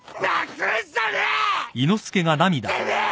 てめえ！